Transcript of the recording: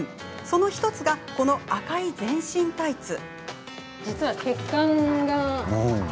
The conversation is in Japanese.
その１つが、この赤い全身タイツ。